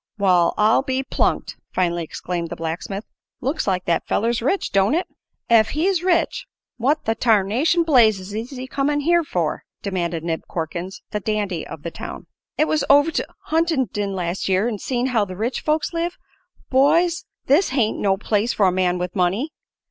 "Wall, I'll be plunked," finally exclaimed the blacksmith. "Looks like the feller's rich, don't it?" "Ef he's rich, what the tarnation blazes is he comin' here for?" demanded Nib Corkins, the dandy of the town. "I was over t' Huntingdon las' year, 'n' seen how the rich folks live. Boys, this h'ain't no place for a man with money."